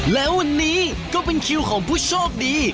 แล้ววันนี้ก็เป็นคิวของผู้โชคดี